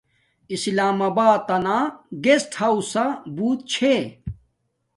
اسلام آباتنا گسٹ ھاوسا بوت چھے